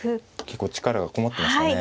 結構力がこもってましたね。